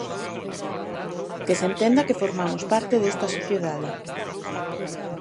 Que se entenda que formamos parte desta sociedade.